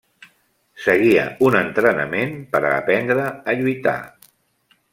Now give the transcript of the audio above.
Seguia un entrenament per a aprendre a lluitar.